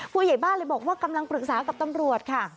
ผู้ใหญ่บ้านเลยบอกว่ากำลังปรึกษากับตำรวจค่ะ